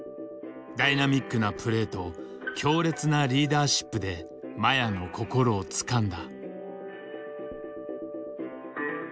ダイナミックなプレーと強烈なリーダーシップで麻也の心をつかんだ。